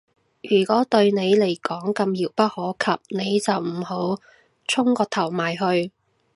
如果對你嚟講咁遙不可及，你就唔好舂個頭埋去